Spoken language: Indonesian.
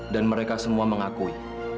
dan mereka semua mengakui